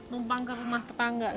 numpang ke rumah tetangga